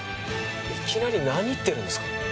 いきなり何言っているんですか。